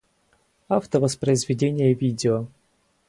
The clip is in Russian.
Автовоспроизведение видео